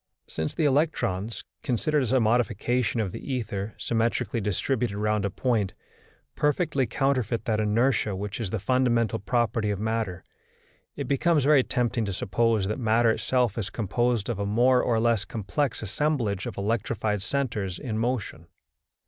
Since the electrons, considered as a modification of the ether symmetrically distributed round a point, perfectly counterfeit that inertia which is the fundamental property of matter, it becomes very tempting to suppose that matter itself is composed of a more or less complex assemblage of electrified centres in motion.